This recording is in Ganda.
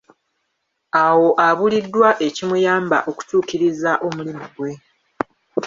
Awo abuliddwa ekimuyamba okutuukiriza omulimu gwe.